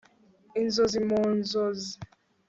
inzozi mu nzozi